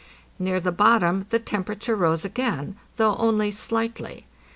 Near the bottom the temperature rose again, though only slightly.